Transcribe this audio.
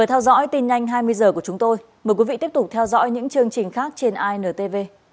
hãy đăng ký kênh để ủng hộ kênh của chúng tôi nhé